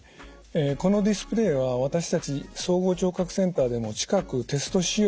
このディスプレーは私たち総合聴覚センターでも近くテスト使用させてもらう予定です。